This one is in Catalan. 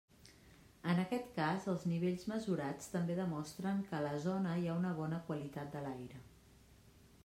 En aquest cas, els nivells mesurats també demostren que a la zona hi ha una bona qualitat de l'aire.